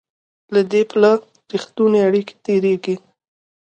له دې پله رښتونې اړیکې تېرېږي.